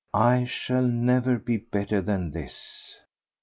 "I shall never be better than this."